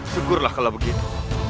syukurlah kalau begitu